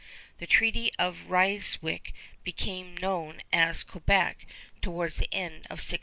The Treaty of Ryswick became known at Quebec towards the end of 1698.